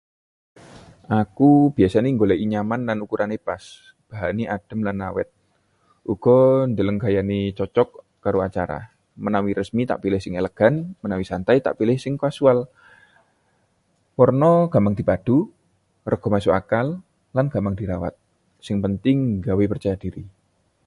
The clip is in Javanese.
Aku biasane goleki nyaman lan ukurane pas, bahané adem lan awet. Uga ndeleng gayane cocok karo acara. menawi resmi tak pilih sing elegan, menawi santai tak pilih sing casual. Warna gampang dipadu, rega masuk akal, lan gampang dirawat. Sing penting nggawe percaya diri.